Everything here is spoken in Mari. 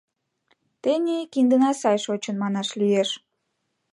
Тений киндына сай шочын, манаш лиеш.